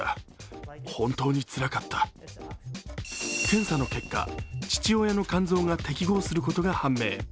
検査の結果、父親の肝臓が適合することが判明。